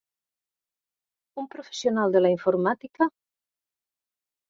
Un professional de la informàtica?